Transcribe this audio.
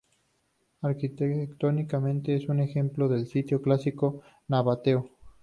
Arquitectónicamente es un ejemplo del estilo clásico nabateo.